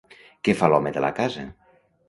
Què fa l'home de la casa?